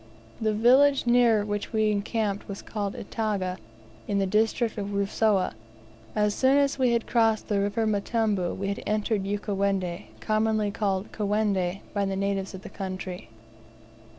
The village near which we encamped was called Itaga, in the district of Rusawa. As soon as we had crossed the River Mtambu we had entered Ukawendi, commonly called "Kawendi" by the natives of the country.